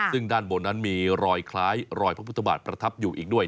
ซึ่งด้านบนนั้นมีรอยคล้ายรอยพระพุทธบาทประทับอยู่อีกด้วย